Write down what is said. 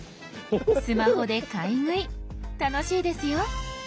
スマホで買い食い楽しいですよ。